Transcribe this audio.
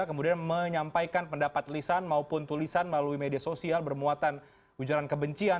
kemudian menyampaikan pendapat lisan maupun tulisan melalui media sosial bermuatan ujaran kebencian